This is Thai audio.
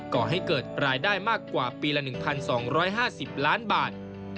ก่อให้เกิดรายได้มากกว่าปีละ๑๒๕๐ล้านบาท